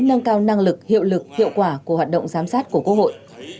nâng cao năng lực hiệu lực hiệu quả của hoạt động giám sát của quốc hội